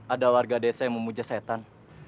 ada warga desa yang memuja setan